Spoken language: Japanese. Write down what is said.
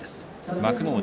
幕内